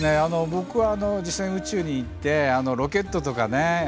僕は実際に宇宙に行ってロケットとかね